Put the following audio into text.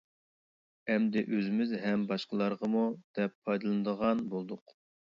ئەمدى ئۆزىمىز ھەم باشقىلارغىمۇ دەپ پايدىلىنىدىغان بولدۇق.